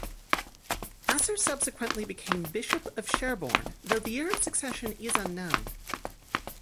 Asser subsequently became Bishop of Sherborne, though the year of succession is unknown.